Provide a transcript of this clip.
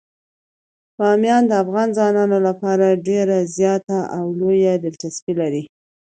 بامیان د افغان ځوانانو لپاره ډیره زیاته او لویه دلچسپي لري.